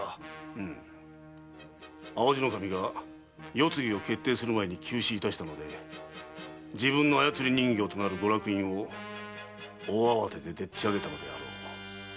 うむ淡路守が世継ぎを決定する前に急死いたしたので自分の操り人形となるご落胤を大慌てででっち上げたのであろう。